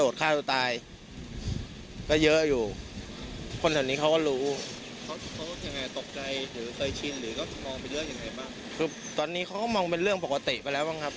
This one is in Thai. ซึ่งตอนนี้ก็มองไปเรื่องปกติไปแล้วบ้างครับ